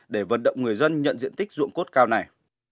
để vận động người dân nhận diện tích dụng cốt cao này